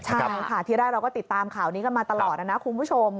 ใช่ค่ะที่แรกเราก็ติดตามข่าวนี้กันมาตลอดนะคุณผู้ชม